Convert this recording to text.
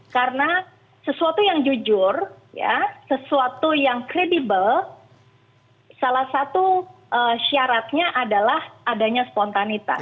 karena sesuatu yang jujur ya sesuatu yang credible salah satu syaratnya adalah adanya spontanitas